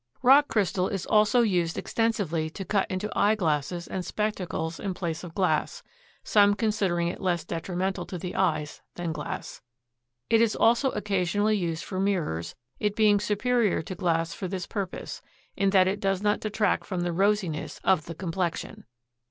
Rock crystal is also used extensively to cut into eyeglasses and spectacles in place of glass, some considering it less detrimental to the eyes than glass. It is also occasionally used for mirrors, it being superior to glass for this purpose, in that it does not detract from the rosiness of the complexion.